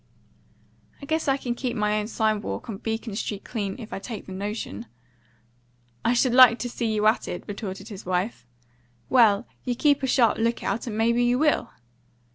"I guess I can keep my own sidewalk on Beacon Street clean, if I take the notion." "I should like to see you at it," retorted his wife. "Well, you keep a sharp lookout, and may be you will."